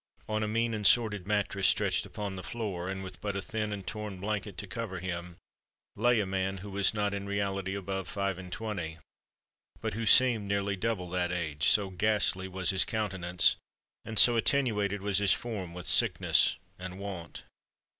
On a mean and sordid mattress stretched upon the floor, and with but a thin and torn blanket to cover him, lay a man who was not in reality above five and twenty, but who seemed nearly double that age—so ghastly was his countenance, and so attenuated was his form with sickness and want.